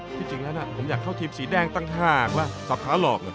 ที่จริงแล้วผมอยากเข้าทีมสีแดงต่างหากว่าสาขาหลอกน่ะ